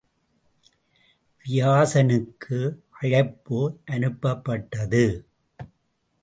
வியாசனுக்கு அழைப்பு அனுப்பப்பட்டது.